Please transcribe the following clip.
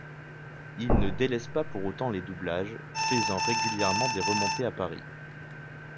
Il ne délaisse pas pour autant les doublages, faisant régulièrement des remontées à Paris.